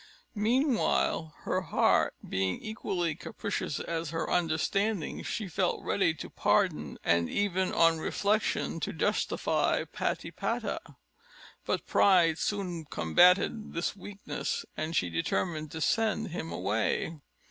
Meanwhile, her heart being equally capricious as her understanding, she felt ready to pardon, and even, on reflection, to justify Patipata. But pride soon combated this weakness; and she determined to send him away.